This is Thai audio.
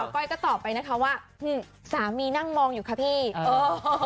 ก้อยก็ตอบไปนะคะว่าสามีนั่งมองอยู่ค่ะพี่เออ